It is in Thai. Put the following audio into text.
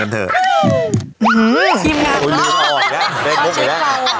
อื้อที่จะออกแยะ